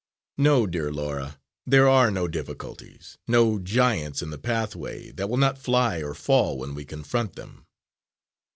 No, dear Laura, there are no difficulties, no giants in the pathway that will not fly or fall when we confront them."